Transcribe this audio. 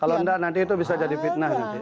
kalau enggak nanti itu bisa jadi fitnah